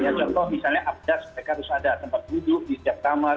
ya contoh misalnya abdas mereka harus ada tempat duduk di setiap kamar